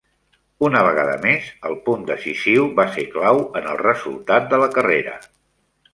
Una vegada més, el punt decisiu va ser clau en el resultat de la carrera.